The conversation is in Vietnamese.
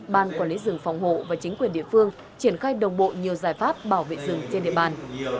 ban quản lý rừng phòng hộ và chính quyền địa phương triển khai đồng bộ nhiều giải pháp bảo vệ rừng trên địa bàn